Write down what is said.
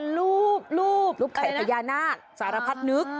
หรือลูบลูบไข่พญานาคสารพัดนึก